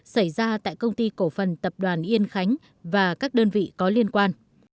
xảy ra tại công ty cổ phần tập đoàn yên khánh và các đơn vị có liên quan